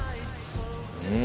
うん。